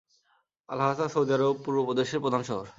Al Ahsa, সৌদি আরব পূর্ব প্রদেশের প্রধান শহর।